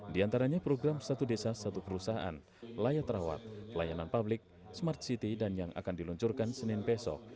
di antaranya program satu desa satu perusahaan layak rawat pelayanan publik smart city dan yang akan diluncurkan senin besok